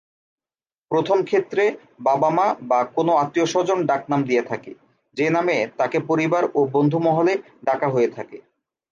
প্রথম ক্ষেত্রে বাবা-মা বা কোন আত্মীয় স্বজন ডাকনাম দিয়ে থাকে, যে নামে তাকে পরিবার ও বন্ধু মহলে ডাকা হয়ে থাকে।